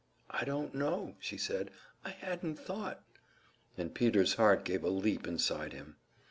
"I don't know," she said. "I hadn't thought " And Peter's heart gave a leap inside him.